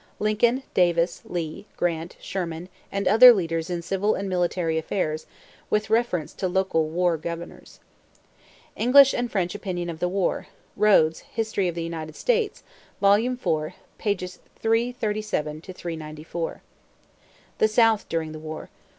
= Lincoln, Davis, Lee, Grant, Sherman, and other leaders in civil and military affairs, with reference to local "war governors." =English and French Opinion of the War.= Rhodes, History of the United States, Vol. IV, pp. 337 394. =The South during the War.= Rhodes, Vol. V, pp. 343 382. =The North during the War.